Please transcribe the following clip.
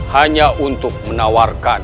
hanya untuk menawarkanmu